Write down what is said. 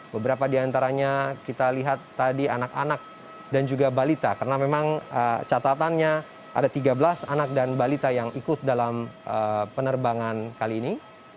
beberapa di antaranya kita lihat tadi anak anak dan juga balita karena memang catatannya ada tiga belas anak dan balita yang ikut dalam penerbangan kali ini